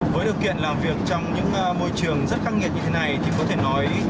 với điều kiện làm việc trong những môi trường rất khắc nghiệt như thế này thì có thể nói